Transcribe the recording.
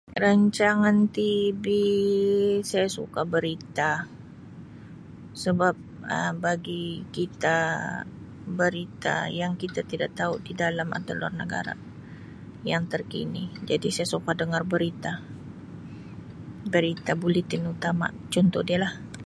Rancangan TV saya suka berita, sebab Um bagi kita berita yang kita tidak tau di dalam atau di luar negara yang terkini, jadi saya suka dengar berita, berita buletin utama contohnya dia lah.